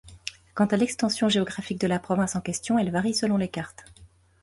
Quant à l'extension géographique de la province en question, elle varie selon les cartes.